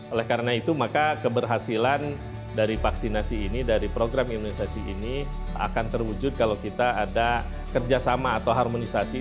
oleh karena itu maka keberhasilan dari vaksinasi ini dari program imunisasi ini akan terwujud kalau kita ada kerjasama atau harmonisasi